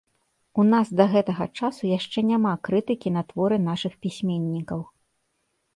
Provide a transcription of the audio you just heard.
У нас да гэтага часу яшчэ няма крытыкі на творы нашых пісьменнікаў.